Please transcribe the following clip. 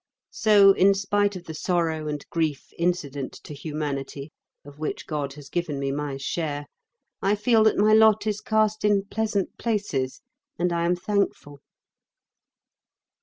So, in spite of the sorrow and grief incident to humanity of which God has given me my share, I feel that my lot is cast in pleasant places and I am thankful.